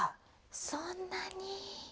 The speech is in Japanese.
そんなに！